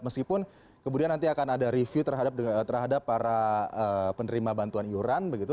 meskipun kemudian nanti akan ada review terhadap para penerima bantuan iuran begitu